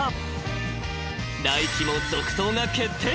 ［来季も続投が決定。